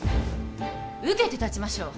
受けて立ちましょう！